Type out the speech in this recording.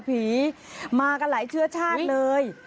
ผีมากันหลายเชื้อชาติเลย